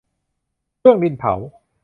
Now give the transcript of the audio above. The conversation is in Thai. เครื่องดินเผา